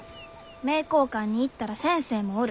名教館に行ったら先生もおる。